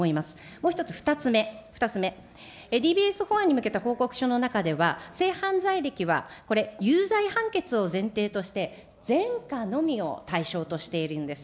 もう１つ、２つ目、２つ目、ＤＢＳ法案に向けた報告書の中では、性犯罪歴はこれ、有罪判決を前提として、前科のみを対象としているんです。